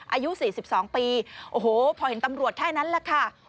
อายุ๔๒ปีโอ้โหพอเห็นตำรวจแค่นั้นแหละค่ะ